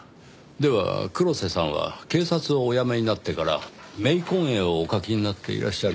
では黒瀬さんは警察をお辞めになってから冥婚絵をお描きになっていらっしゃる？